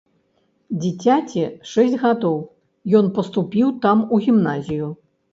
Дзіцяці шэсць гадоў, ён паступіў там у гімназію.